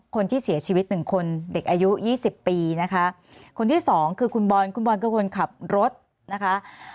คนที่เสียชีวิต๑คนเด็กอายุ๒๐ปีนะคะคนที่๒คือคุณบอนคุณบอนก็คือคนขับรถนะคะ